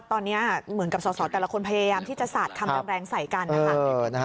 ตอนนี้เหมือนกับสอสอแต่ละคนพยายามที่จะสาดคำแรงใส่กันนะคะ